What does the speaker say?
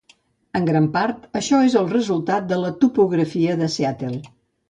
En gran part, això és el resultat de la topografia de Seattle.